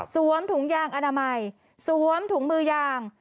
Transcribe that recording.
ถุงถุงยางอนามัยสวมถุงมือยาง